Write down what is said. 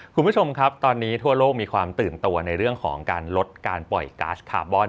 คุณผู้ชมครับตอนนี้ทั่วโลกมีความตื่นตัวในเรื่องของการลดการปล่อยก๊าซคาร์บอน